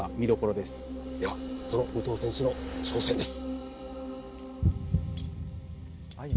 ではその武藤選手の挑戦です。